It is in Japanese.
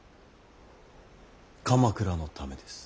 鎌倉のためです。